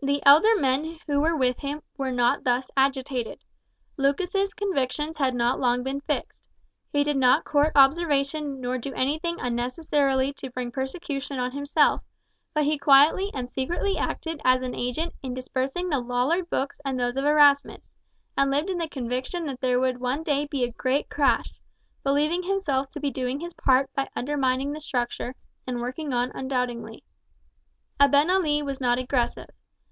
The elder men who were with him were not thus agitated. Lucas's convictions had not long been fixed. He did not court observation nor do anything unnecessarily to bring persecution on himself, but he quietly and secretly acted as an agent in dispersing the Lollard books and those of Erasmus, and lived in the conviction that there would one day be a great crash, believing himself to be doing his part by undermining the structure, and working on undoubtingly. Abenali was not aggressive.